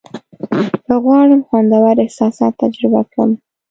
که غواړم خوندور احساسات تجربه کړم.